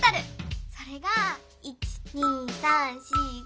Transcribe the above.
それが１・２・３・４・５。